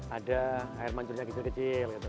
ada air mancurnya kecil kecil gitu